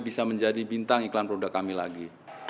bisa menjadi bintang iklan roda kami lagi